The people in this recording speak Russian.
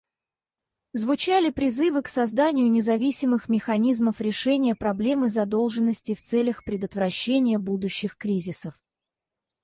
Звучали призывы к созданию независимых механизмов решения проблемы задолженности в целях предотвращения будущих кризисов.